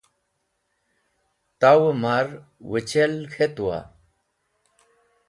Tawẽ mar wẽchel k̃hetuwa?